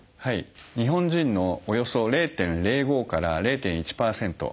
日本人のおよそ０．０５から０．１％